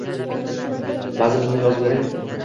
Manzilimni yozib beray